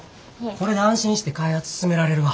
これで安心して開発進められるわ。